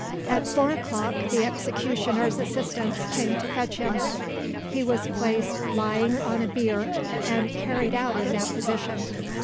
At four o'clock the executioner's assistants came to fetch him; he was placed lying on a bier and carried out in that position.